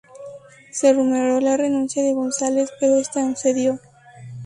Se rumoreó la renuncia de González, pero esta no se dio.